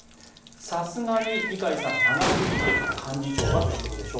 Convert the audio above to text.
さすがに二階さん長すぎて幹事長がということでしょう。